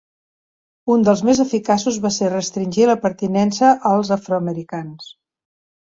Un dels més eficaços va ser restringir la pertinença als afroamericans.